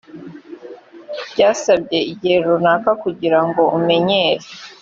byasabye igihe runaka kugira ngo umenyere .